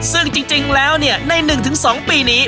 ซึ่งจริงแล้วใน๑๒ปีนี้